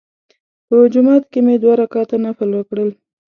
په جومات کې مې دوه رکعته نفل وکړل.